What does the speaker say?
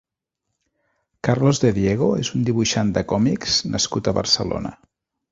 Carlos de Diego és un dibuixant de còmics nascut a Barcelona.